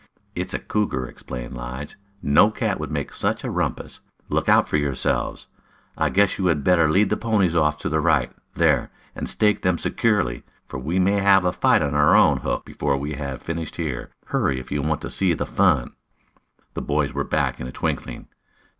"It's a cougar," explained Lige. "No cat would make such a rumpus. Look out for yourselves. I guess you had better lead the ponies off to the right, there, and stake them securely, for we may have a fight on our own hook before we have finished here. Hurry if you want to see the fun." The boys were back in a twinkling.